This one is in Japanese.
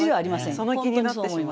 その気になってしまう。